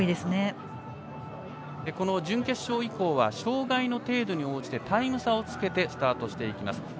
準決勝以降は障がいの程度に応じてタイム差をつけてスタートしていきます。